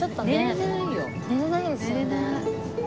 寝れないですよね。